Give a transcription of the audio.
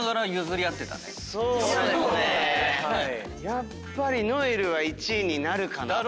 やっぱり如恵留は１位になるかなと。